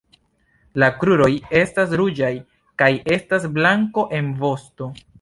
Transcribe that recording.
La kruroj estas ruĝaj kaj estas blanko en vosto.